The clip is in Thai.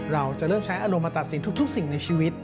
เราจะเริ่มใช้อารมณ์มาตัดสินทุกสิ่งในชีวิต